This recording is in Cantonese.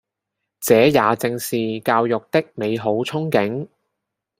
這也正是教育的美好憧憬